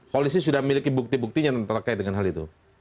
polisi sudah memiliki bukti buktinya terkait dengan hal itu